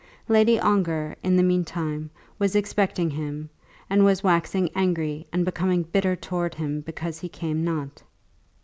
Lady Ongar, in the meantime, was expecting him, and was waxing angry and becoming bitter towards him because he came not.